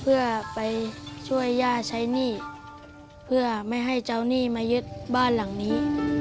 เพื่อไปช่วยย่าใช้หนี้เพื่อไม่ให้เจ้าหนี้มายึดบ้านหลังนี้